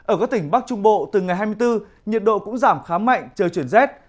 ở các tỉnh bắc trung bộ từ ngày hai mươi bốn nhiệt độ cũng giảm khá mạnh trời chuyển rét